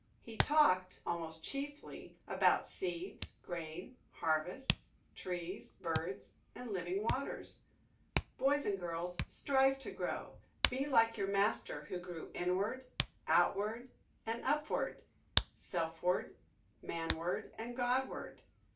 He talked, almost chiefly, about seeds, grain, harvests, trees, birds and living waters. Boys and girls, strive to grow. Be like your Master who grew inward, outward, and upward; selfward, manward, and Godward.